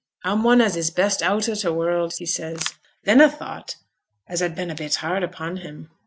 "A'm one as is best out o' t' world," he says. Then a thought as a'd been a bit hard upon him.